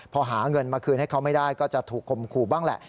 พอหาเงินมาคืนให้เขาไม่ได้ก็จะถูกคมขู่บ้างแหละ